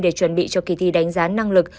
để chuẩn bị cho kỳ thi đánh giá năng lực